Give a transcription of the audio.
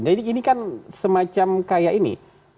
jadi ini kan semacam kayak ini